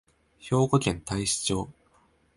兵庫県太子町